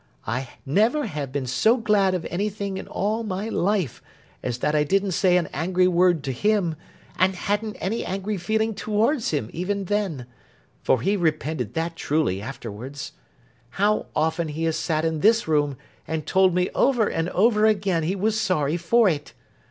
I never have been so glad of anything in all my life, as that I didn't say an angry word to him, and hadn't any angry feeling towards him, even then; for he repented that truly, afterwards. How often he has sat in this room, and told me over and over again he was sorry for it!